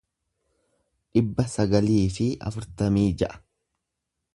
dhibba sagalii fi afurtamii ja'a